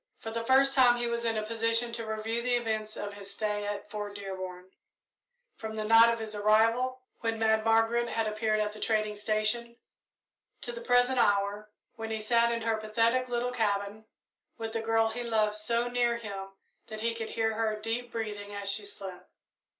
For the first time he was in a position to review the events of his stay at Fort Dearborn, from the night of his arrival, when Mad Margaret had appeared at the trading station, to the present hour, when he sat in her pathetic little cabin, with the girl he loved so near him that he could hear her deep breathing as she slept.